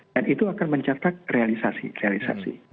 dan itu akan mencatat realisasi